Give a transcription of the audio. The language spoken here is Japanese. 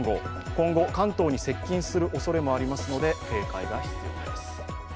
今後、関東に接近するおそれもありますので、警戒が必要です。